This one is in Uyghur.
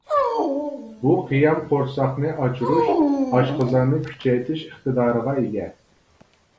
بۇ قىيام قورساقنى ئاچۇرۇش، ئاشقازاننى كۈچەيتىش ئىقتىدارىغا ئىگە.